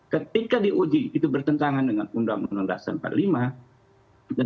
ketika diuji itu bertentangan dengan undang undang dasar empat puluh lima dan harus diputuskan